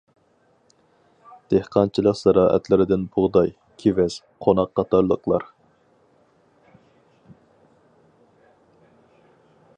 دېھقانچىلىق زىرائەتلىرىدىن بۇغداي، كېۋەز، قوناق قاتارلىقلار.